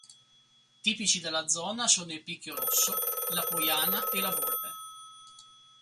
Tipici della zona sono il picchio rosso, la poiana e la volpe.